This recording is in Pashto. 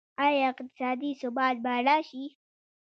آیا اقتصادي ثبات به راشي؟